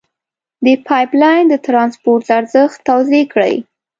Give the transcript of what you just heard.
د پایپ لین د ترانسپورت ارزښت توضیع کړئ.